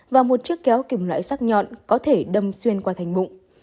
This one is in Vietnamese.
và một chiếc kéo kìm loại sắc nhọn có thể đâm xuyên qua thành bụng